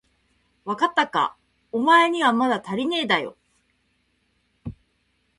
わかったか、おまえにはまだたりねえだよ。